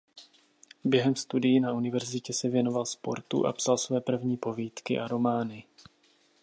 Během studií na univerzitě se věnoval sportu a psal své první povídky a romány.